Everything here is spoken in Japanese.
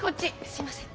すいません。